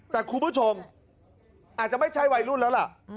แต่คุณผู้ชมอาจจะไม่ใช่วัยรุ่นแล้วล่ะ